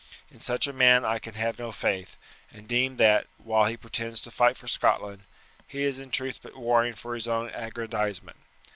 In such a man I can have no faith, and deem that, while he pretends to fight for Scotland, he is in truth but warring for his own aggrandizement.